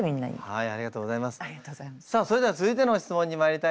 はい！